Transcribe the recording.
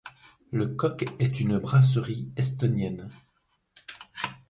Le Coq est une brasserie estonienne.